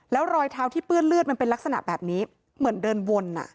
แล้วรอยเท้าที่เปื้อนเลือดมันเป็นลักษณะแบบนี้เหมือนเดินวน